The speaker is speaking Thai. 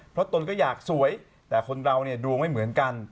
เพราะตนก็อยากสวยแต่คนเราเนี่ยดวงไม่เหมือนกัน